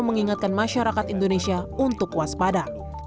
mengingatkan masyarakat indonesia untuk waspada